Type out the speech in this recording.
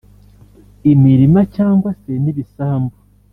imilima cyangwe se n’ibisambu